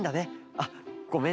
あっごめんね。